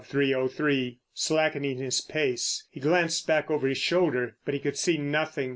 Slackening his pace, he glanced back over his shoulder—but he could see nothing.